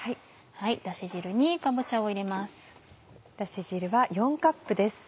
だし汁にかぼちゃを入れます。